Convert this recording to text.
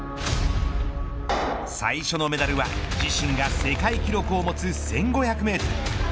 最初のメダルは自身が世界記録を持つ１５００メートル